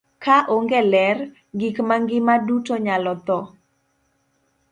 Ka onge ler, gik mangima duto nyalo tho.